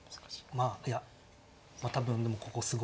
まあいや多分ここすごいから。